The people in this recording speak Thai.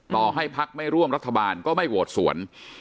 ต่อให้พักไม่ร่วมรัฐบาลก็ไม่โหวตสวน